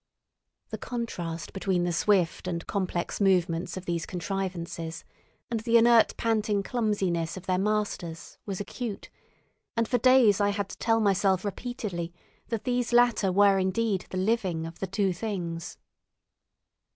The contrast between the swift and complex movements of these contrivances and the inert panting clumsiness of their masters was acute, and for days I had to tell myself repeatedly that these latter were indeed the living of the two things.